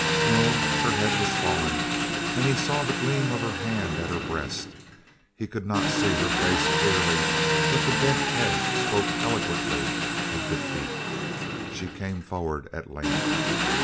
No, her head was fallen, and he saw the gleam of her hand at her breast. He could not see her face clearly, but the bent head spoke eloquently of defeat. She came forward at length.